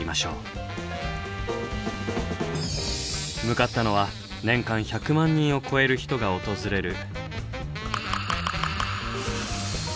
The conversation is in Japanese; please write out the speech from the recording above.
向かったのは年間１００万人を超える人が訪れる。